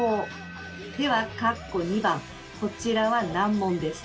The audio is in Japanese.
では番こちらは難問です。